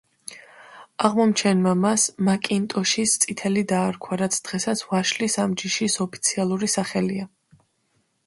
აღმომჩენმა მას მაკინტოშის წითელი დაარქვა, რაც დღესაც ვაშლის ამ ჯიშის ოფიციალური სახელია.